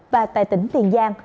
và tại tỉnh tiền giang